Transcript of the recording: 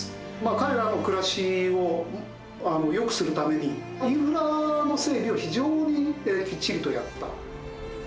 彼らの暮らしを良くするためにインフラの整備を非常にきっちりとやった。